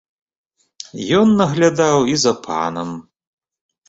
Ён наглядаў і за панам.